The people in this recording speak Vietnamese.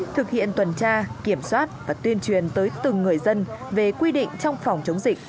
thực hiện tuần tra kiểm soát và tuyên truyền tới từng người dân về quy định trong phòng chống dịch